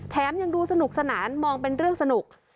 ยังดูสนุกสนานมองเป็นเรื่องสนุก